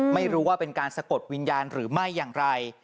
ไม่รู้ว่าเป็นการสะกดวิญญาณหรือไม่อย่างไร